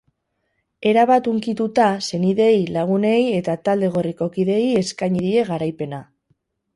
Erabat hunkituta, senideei, lagunei eta talde gorriko kideei eskaini die garaipena.